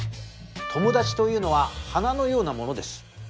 友達というのは花のようなものです。